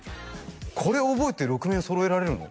これ覚えて６面揃えられるの？